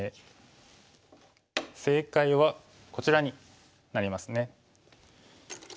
正解はこちらになりますね。